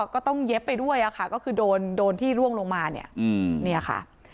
ก็ต้องเย็บไปด้วยอะค่ะก็คือโดนโดนที่ร่วงลงมาเนี้ยอืมเนี้ยค่ะ